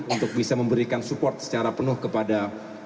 untuk bisa memberikan support secara penuh kepada